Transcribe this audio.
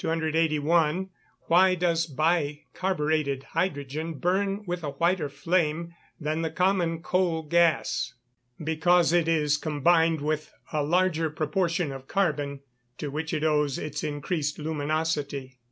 281. Why does bi carburetted hydrogen burn with a whiter flame than the common coal gas? Because it is combined with a larger proportion of carbon, to which it owes its increased luminosity.